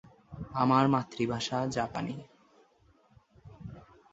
আমার মাতৃভাষা জাপানি।